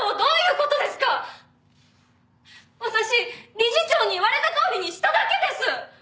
私理事長に言われたとおりにしただけです！